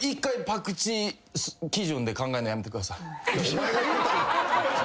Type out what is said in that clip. お前が言うたんや。